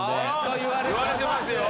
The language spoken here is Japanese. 言われてますよ！